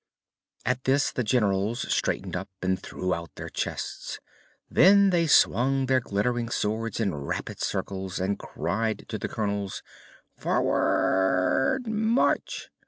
At this the Generals straightened up and threw out their chests. Then they swung their glittering swords in rapid circles and cried to the Colonels: "For ward March!"